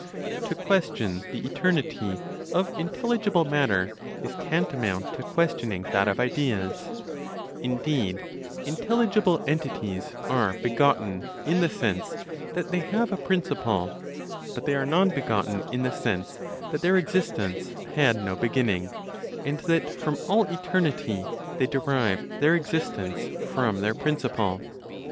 To question the eternity of intelligible matter is tantamount to questioning that of ideas; indeed, intelligible entities are begotten in the sense that they have a principle; but they are non begotten in the sense that their existence had no beginning, and that, from all eternity, they derive their existence from their principle.